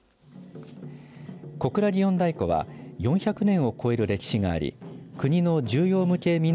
小倉祇園太鼓は４００年を超える歴史があり国の重要無形民俗